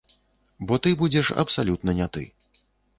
Бо ты будзеш абсалютна не ты.